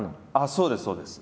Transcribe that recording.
そうですそうです。